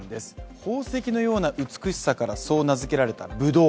宝石のような美しさから、そう名づけられたぶどう。